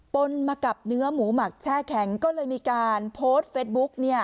นมากับเนื้อหมูหมักแช่แข็งก็เลยมีการโพสต์เฟสบุ๊กเนี่ย